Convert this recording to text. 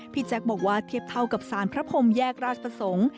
แจ๊คบอกว่าเทียบเท่ากับสารพระพรมแยกราชประสงค์